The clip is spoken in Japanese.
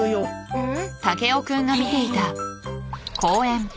うん？